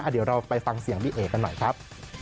เดี๋ยวเราไปฟังเสียงพี่เอ๋กันหน่อยครับ